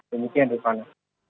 demikian di sana